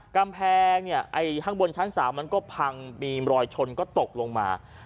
กำแพงเนี่ยไอ้ข้างบนชั้น๓มันก็พังมีรอยชนก็ตกลงมา